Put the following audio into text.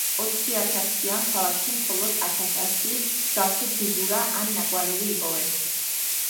ოციათასიან ქალაქში მხოლოდ ათას ასი მსგავსი ფიგურა ან ნაკვალევი იპოვეს.